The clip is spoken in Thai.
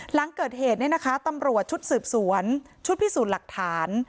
หลังเกิดเหตุเนี่ยนะคะตำรวจชุดสืบสวนชุดพิสูจน์หลักฐาน